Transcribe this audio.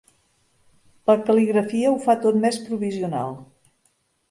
La cal·ligrafia ho fa tot més provisional.